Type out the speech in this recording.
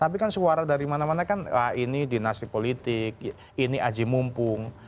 tapi kan suara dari mana mana kan ini dinasti politik ini aji mumpung